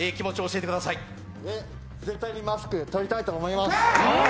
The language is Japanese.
絶対にマスク取りたいと思います。